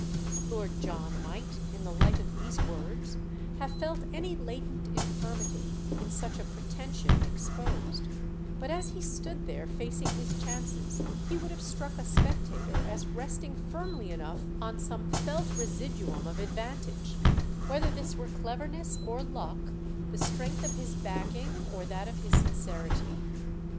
Lord John might, in the light of these words, have felt any latent infirmity in such a pretension exposed; but as he stood there facing his chances he would have struck a spectator as resting firmly enough on some felt residuum of advantage: whether this were cleverness or luck, the strength of his backing or that of his sincerity.